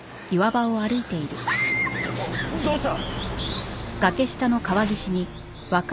どうした！？